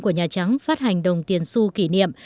của nhà trắng phát hành đồng tiền su kỷ niệm